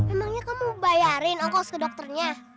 emangnya kamu bayarin ongkos ke dokternya